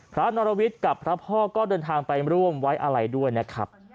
นรวิทย์กับพระพ่อก็เดินทางไปร่วมไว้อะไรด้วยนะครับ